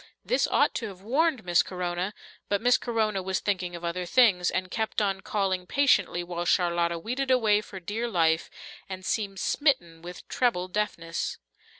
This ought to have warned Miss Corona, but Miss Corona was thinking of other things, and kept on calling patiently, while Charlotta weeded away for dear life, and seemed smitten with treble deafness.